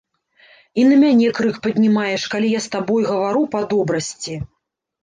І на мяне крык паднімаеш, калі я з табой гавару па добрасці.